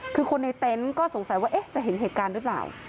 คือคนในเต็นต์ก็สงสัยว่าจะเห็นเหตุการณ์หรือเปล่า